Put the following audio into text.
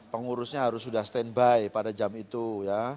pengurusnya harus sudah standby pada jam itu ya